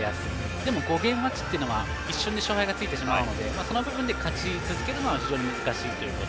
でも、５ゲームマッチというのは一瞬で勝敗がついてしまうのでその部分で勝ち続けるのは難しいというところ。